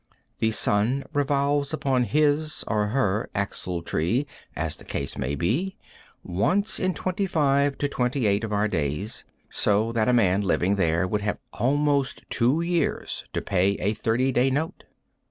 The sun revolves upon his or her axletree, as the case may be, once in 25 to 28 of our days, so that a man living there would have almost two years to pay a 30 day note.